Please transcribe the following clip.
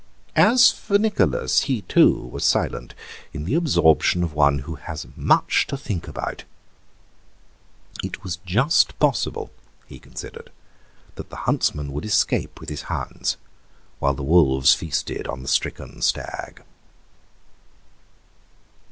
As for Nicholas, he, too, was silent, in the absorption of one who has much to think about; it was just possible, he considered, that the huntsman would escape with his hounds while the wolves feasted on the stricken stag.